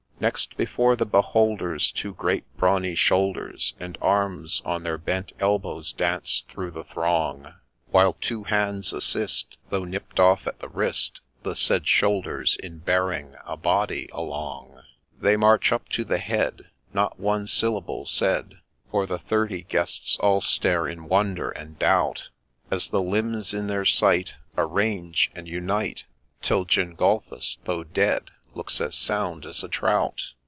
Next, before the beholders, two great brawny shoulders, And arms on their bent elbows dance through the throng, While two hands assist, though nipp'd off at the wrist, The said shoulders in bearing a body along. They march up to the head, not one syllable said, For the thirty guests all stare in wonder and doubt. As the limbs in their sight arrange and unite, Till Gengulphus, though dead, looks as sound as a trout.